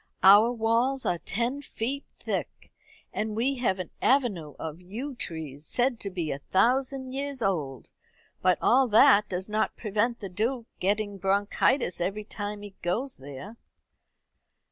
"Our walls are ten feet thick, and we have an avenue of yew trees said to be a thousand years old. But all that does not prevent the Duke getting bronchitis every time he goes there."